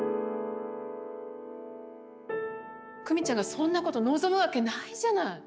久美ちゃんがそんなこと望むわけないじゃない！